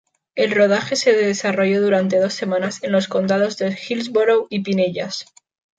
El rodaje se desarrolló durante dos semanas en los condados de Hillsborough y Pinellas.